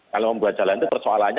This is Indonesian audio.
kalau membuat jalan itu persoalannya